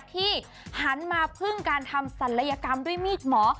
ที่หันมาพึ่งการทำศัลยกรรมด้วยมีดหมอ